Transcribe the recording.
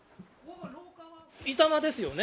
板間ですよね？